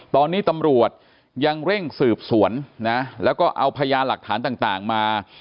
ตอนนี้ตำรวจยังเร่งสืบสวนนะแล้วก็เอาพยานหลักฐานต่างมา